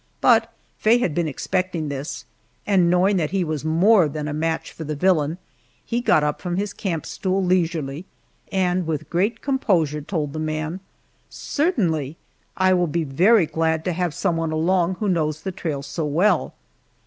But Faye had been expecting this, and knowing that he was more than a match for the villain, he got up from his camp stool leisurely, and with great composure told the man: "Certainly, I will be very glad to have some one along who knows the trail so well."